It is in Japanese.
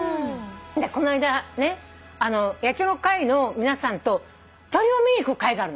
この間ね野鳥の会の皆さんと鳥を見にいく会があるの。